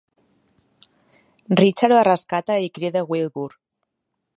Richard la rescata i crida Wilbur.